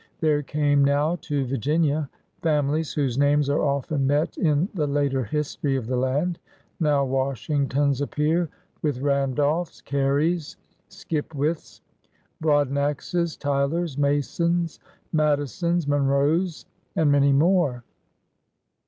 There came now to Virginia families whose names are often met in the later history of the land. Now Washingtons ap pear, with Randolphs, Carys, Skipwiths, Brod naxes, Tylers, Masons, Madisons, Monroes, and many more.